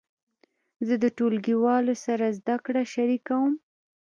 زه د ټولګیوالو سره زده کړه شریکوم.